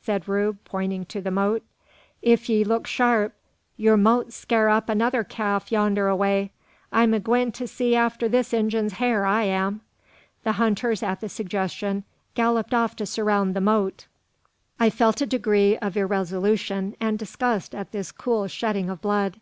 said Rube, pointing to the motte; "if 'ee look sharp, yur mout scare up another calf yander away! I'm a gwine to see arter this Injun's har; I am." The hunters, at the suggestion, galloped off to surround the motte. I felt a degree of irresolution and disgust at this cool shedding of blood.